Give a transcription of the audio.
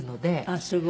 あっすごい。